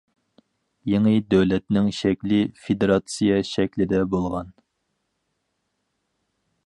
يېڭى دۆلەتنىڭ شەكلى فېدېراتسىيە شەكلىدە بولغان.